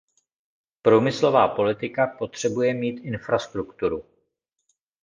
Průmyslová politika potřebuje mít infrastrukturu.